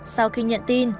sau khi nhận tin